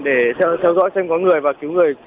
để theo dõi xem có người và cứu người